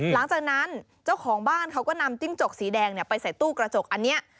หลังจากนั้นเจ้าของบ้านเขาก็นำจิ้งจกสีแดงไปใส่ตู้กระจกอันนี้